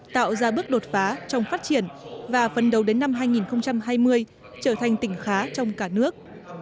tạo ra bước đột phá trong phát triển và phấn đấu đến năm hai nghìn hai mươi trở thành tỉnh khá trong cả nước